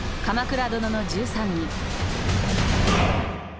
「鎌倉殿の１３人」。